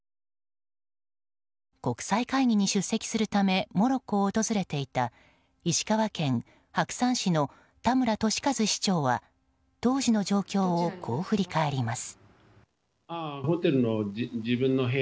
国際会議に出席するためモロッコを訪れていた石川県白山市の田村敏和市長は当時の状況をこう振り返ります。